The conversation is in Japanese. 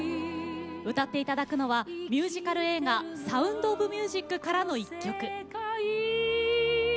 歌っていただくのはミュージカル映画「サウンド・オブ・ミュージック」からの１曲。